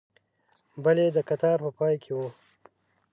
بل یې د کتار په پای کې و.